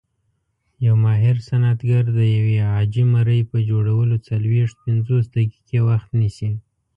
یو ماهر صنعتګر د یوې عاجي مرۍ په جوړولو څلويښت - پنځوس دقیقې وخت نیسي.